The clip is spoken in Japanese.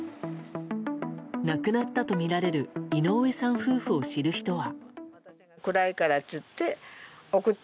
亡くなったとみられる井上さん夫婦を知る人は。